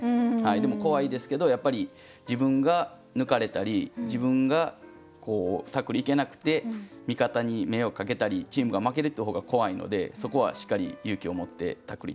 でも怖いですけどやっぱり自分が抜かれたり自分がタックルいけなくて味方に迷惑かけたりチームが負けるって方が怖いのでそこはしっかり勇気を持ってタックルいってます。